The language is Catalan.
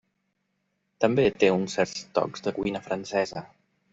També té uns certs tocs de cuina francesa.